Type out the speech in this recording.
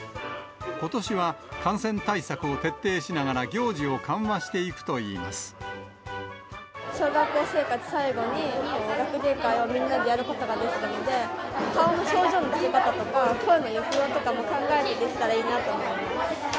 ことしは、感染対策を徹底しながら、小学校生活最後に、学芸会をみんなでやることができたので、顔の表情の作り方とか、声の抑揚とかも考えてできたらいいなと思います。